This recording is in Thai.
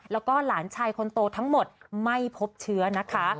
แล้วก็หลานชายคนโตทั้งหมดไม่พบเชื้อนะคะ